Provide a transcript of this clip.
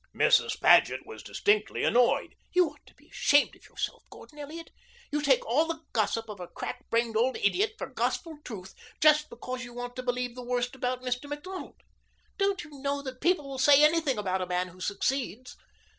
Mrs. Paget was distinctly annoyed. "You ought to be ashamed of yourself, Gordon Elliot. You take all the gossip of a crack brained old idiot for gospel truth just because you want to believe the worst about Mr. Macdonald. Don't you know that people will say anything about a man who succeeds?